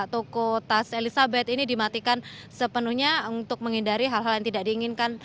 toko tas elizabeth ini dimatikan sepenuhnya untuk menghindari hal hal yang tidak diinginkan